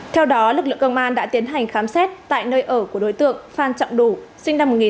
theo đó lực lượng công an đã tiến hành khám xét tại nơi ở của đối tượng phan trọng đủ